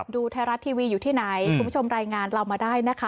ดูไทยรัฐทีวีอยู่ที่ไหนคุณผู้ชมรายงานเรามาได้นะคะ